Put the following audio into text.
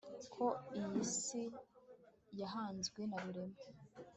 ko iyi isi yahanzwe na rurema